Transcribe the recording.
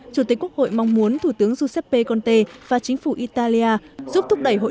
chủ tịch quốc hội mong muốn thủ tướng giuseppe conte và chính phủ italia giúp thúc đẩy hội